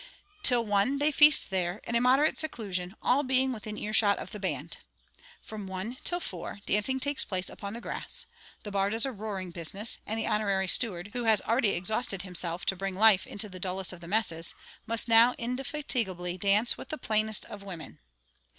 Till one they feast there, in a very moderate seclusion, all being within earshot of the band. From one till four, dancing takes place upon the grass; the bar does a roaring business; and the honorary steward, who has already exhausted himself to bring life into the dullest of the messes, must now indefatigably dance with the plainest of the women.